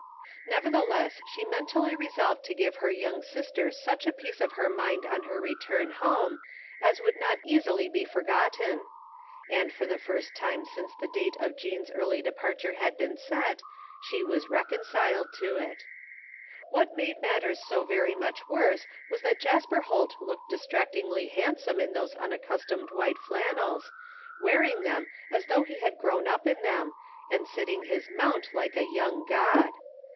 Nevertiheless she men tally resolved to give her young sister such a piece of her mind on their rettmi home as would not easily be forgotten ; and for the first time since the date of Jean's early departure had been set, she was reoondled to it What made matters so very much worse was that Jasper Holt looked distractingly handsome in those unaccustomed white flannels, wearing them as though he had grown up in them, and sitting his nnount like a young god.